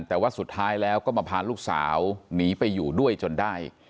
แต่ว่าสุดท้ายแล้วก็มาพาลูกสาวหนีไปอยู่ด้วยจนได้